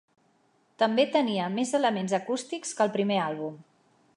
També tenia més elements acústics que el primer àlbum.